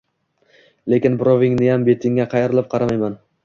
Lekin birovingniyam betingga qayrilib qaramayman!